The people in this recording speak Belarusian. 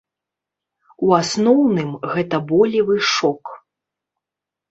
У асноўным, гэта болевы шок.